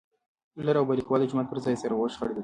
لر او بر کليوال د جومات پر ځای سره وشخړېدل.